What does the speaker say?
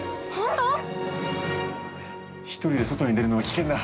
１人で外に出るのは危険だ。